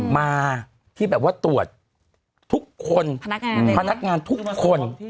มาที่แบบว่าตรวจทุกคนพนักงานพนักงานทุกคน